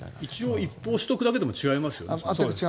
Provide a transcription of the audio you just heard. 一報を入れるだけでも違いますよね。